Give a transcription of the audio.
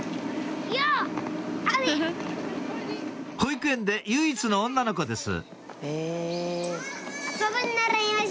保育園で唯一の女の子です